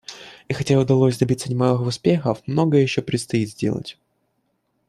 И хотя удалось добиться немалых успехов, многое еще предстоит сделать.